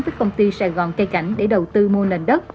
với công ty sài gòn cây cảnh để đầu tư mua nền đất